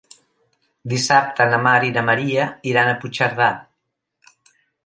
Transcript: Dissabte na Mar i na Maria iran a Puigcerdà.